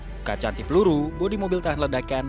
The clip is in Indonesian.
buka cantik peluru bodi mobil tahan ledakan